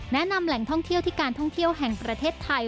แหล่งท่องเที่ยวที่การท่องเที่ยวแห่งประเทศไทย